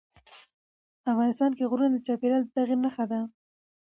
افغانستان کې غرونه د چاپېریال د تغیر نښه ده.